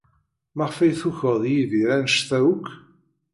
Maɣef ay tukeḍ Yidir anect-a akk?